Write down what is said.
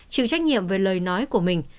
chịu trách nhiệm về lời nói của mình